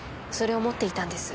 それを持っていたんです。